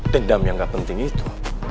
dendam yang gak penting itu